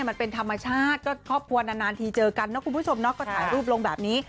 ก็เข้าปัวนานทีเจอกัน